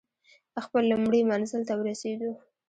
خپل لومړي منزل ته ورسېدو.